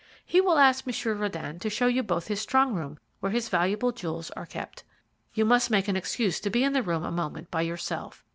He will ask Monsieur Röden to show you both his strong room where his valuable jewels are kept. You must make an excuse to be in the room a moment by yourself.